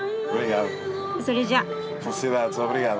それじゃあ。